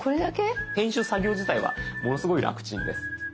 編集作業自体はものすごい楽ちんです。